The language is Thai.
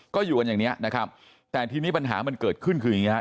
ก็อยู่กันอย่างเนี้ยนะครับแต่ทีนี้ปัญหามันเกิดขึ้นคืออย่างนี้ฮะ